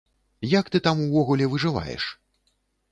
Як ты там увогуле выжываеш?